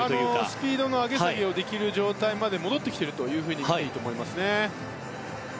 スピードの上げ下げができる状態まで戻ってきていると思いますね。